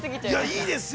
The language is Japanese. ◆いいですよ。